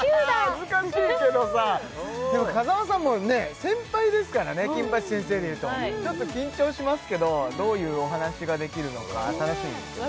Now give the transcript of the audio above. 恥ずかしいけどさでも風間さんも先輩ですからね「金八先生」で言うとちょっと緊張しますけどどういうお話ができるのか楽しみですね